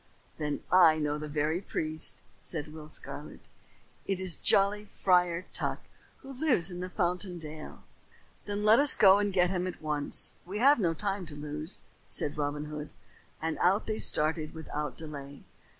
"Then I know the very priest," said Will Scarlet. "It is jolly Friar Tuck who lives in Fountain Dale." "Then let us go and get him at once. We have no time to lose," said Robin Hood; and out they started without delay.